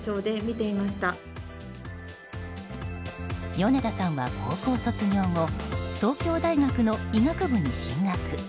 米田さんは、高校卒業後東京大学の医学部に進学。